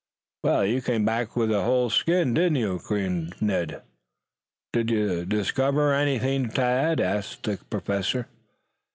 "Well, you came back with a whole skin, did you?" grinned Ned. "Did you discover anything, Tad?" questioned the Professor.